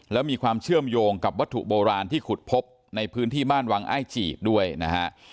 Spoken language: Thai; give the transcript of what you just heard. แล้วมีความเชื่อมโยงกับวัตถุโบราณที่ขุดพบในพื้นที่บ้านวังอ้ายจีดด้วยนะฮะ